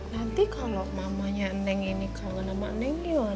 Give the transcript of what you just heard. nanti kalau mamanya neng ini kalau nama neng yoon